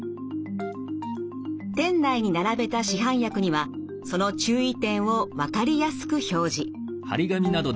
店内に並べた市販薬にはその注意点を分かりやすく表示。